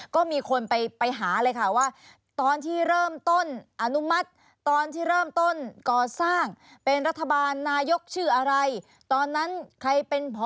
ก็มีคนไปหาเลยค่ะว่าตอนที่เริ่มต้นอนุมัติ